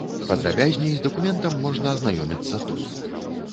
Падрабязней з дакументам можна азнаёміцца тут.